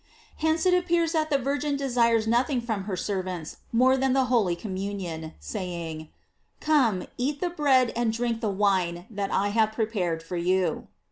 Hence it appears that the Virgin desires nothing from her servants more than the holy commun ion, saying: "Come, eat the bread and drink the wine that I have prepared for you."